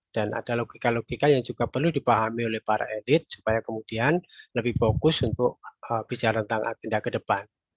dan ada logika logika yang juga perlu dipahami oleh para edit supaya kemudian lebih fokus untuk bicara tentang agenda ke depan